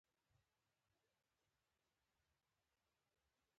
څوک چې له تمایلاتو سره بلد نه وي.